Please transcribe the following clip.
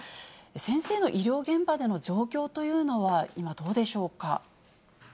先生の医療現場での状況というのは、今、どうでしょうか。